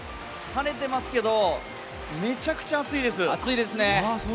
晴れてますけど、めちゃくちゃ暑いです。